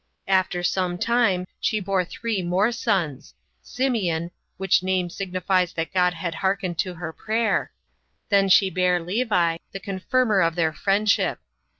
After some time she bare three more sons; Simeon, which name signifies that God had hearkened to her prayer. Then she bare Levi, the confirmer of their friendship.